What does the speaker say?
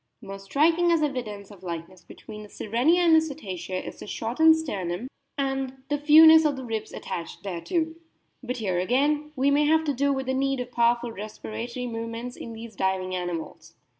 More striking as evidence of likeness between the Sirenia and the Cetacea is the shortened sternum, and the fewness of the ribs attached thereto. But here again we may have to do with the need of powerful respiratory movements in these diving animals.